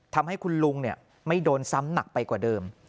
ทำให้คุณลุงไม่โดนซ้ำหนักไปกว่าเดิม